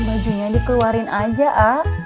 bajunya dikeluarin aja ah